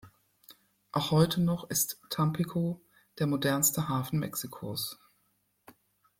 Auch heute noch ist Tampico der modernste Hafen Mexikos.